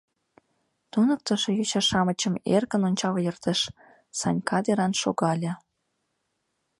— Туныктышо йоча-шамычым эркын ончал эртыш, Санька деран шогале.